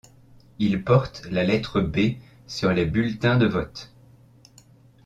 Il porte la lettre B sur les bulletins de vote.